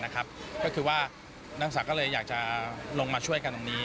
ก็คือว่านางสาวก็เลยอยากจะลงมาช่วยกันตรงนี้